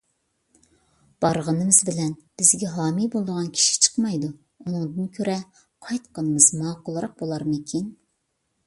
بارغىنىمىز بىلەن بىزگە ھامىي بولىدىغان كىشى چىقمايدۇ، ئۇنىڭدىن كۆرە قايتقىنىمىز ماقۇلراق بولارمىكىن؟